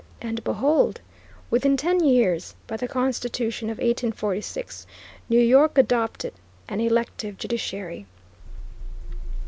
And behold, within ten years, by the constitution of 1846, New York adopted an elective judiciary.